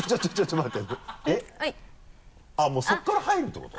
あっもうそこから入るってこと？